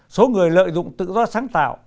số người lợi dụng tự do sáng tạo